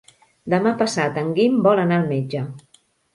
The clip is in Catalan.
Demà passat en Guim vol anar al metge.